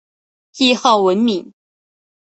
谥号文敏。